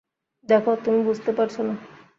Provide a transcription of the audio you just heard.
দেখো, তুমি বুঝতে পারছো না?